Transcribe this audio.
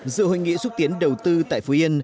dự hội nghị xúc tiến đầu tư tại phú yên